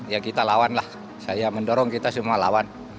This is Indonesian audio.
ya kita lawan lah saya mendorong kita semua lawan